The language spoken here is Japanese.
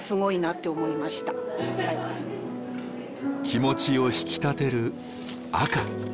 気持ちを引き立てる赤。